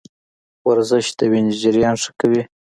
ورزش د وینې جریان ښه کوي.